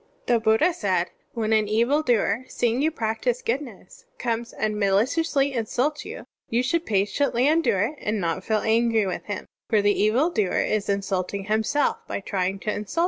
(6) The Buddha said: "When an evil doer, seeing you practise goodness, comes and mali ciously insults you, you should patiently endure it and not feel angry with him, for the evil doer is insulting himself by trying to insult you.